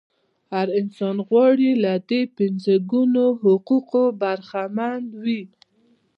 هر انسان غواړي له دې پنځه ګونو حقوقو برخمن وي.